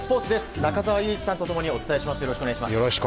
中澤佑二さんと共にお伝えします。